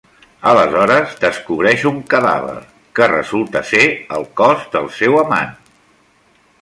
Aleshores descobreix un cadàver, que resulta ser el cos del seu amant.